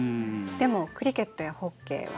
でもクリケットやホッケーは。